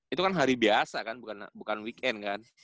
itu kan hari biasa kan bukan weekend kan